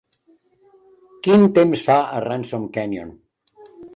Quin temps fa a Ransom Canyon?